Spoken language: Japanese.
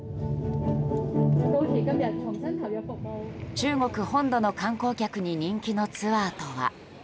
中国本土の観光客に人気のツアーとは。